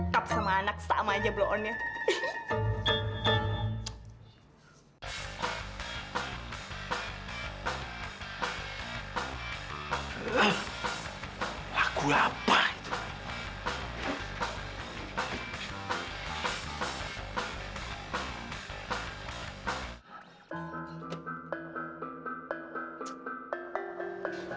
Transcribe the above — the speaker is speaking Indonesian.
dasar bokap sama anak sama aja blok onnya